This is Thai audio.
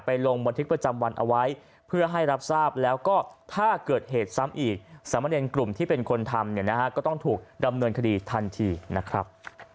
ลงบันทึกประจำวันเอาไว้เพื่อให้รับทราบแล้วก็ถ้าเกิดเหตุซ้ำอีกสามเนรกลุ่มที่เป็นคนทำเนี่ยนะฮะก็ต้องถูกดำเนินคดีทันทีนะครับ